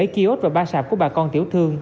bảy kiosk và ba sạp của bà con tiểu thương